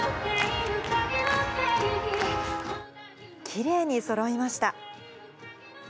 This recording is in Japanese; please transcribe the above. きれいにそろいました。